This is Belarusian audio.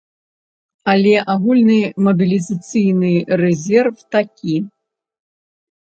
Але агульны мабілізацыйны рэзерв такі.